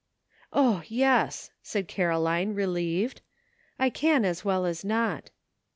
"O, yes!" said Caroline, relieved, "I can as well as not."